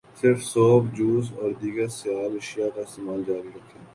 صرف soup, juice, اور دیگر سیال اشیاء کا استعمال جاری رکھیں۔